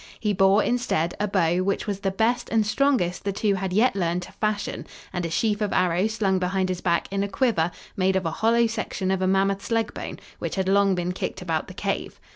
He bore, instead, a bow which was the best and strongest the two had yet learned to fashion, and a sheaf of arrows slung behind his back in a quiver made of a hollow section of a mammoth's leg bone which had long been kicked about the cave.